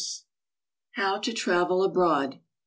HOW TO TRAVEL ABROAD.